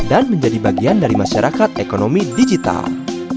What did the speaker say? dan menjadi bagian dari masyarakat ekonomi digital